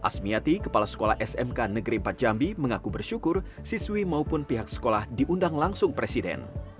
asmiati kepala sekolah smk negeri empat jambi mengaku bersyukur siswi maupun pihak sekolah diundang langsung presiden